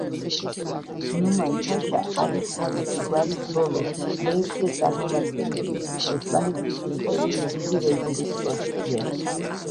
ნუმან-ფაშა არის თავისი გვარის ბოლო, მეექვსე წარმომადგენელი ოსმალეთის იმპერიის დიდი ვეზირის პოსტზე.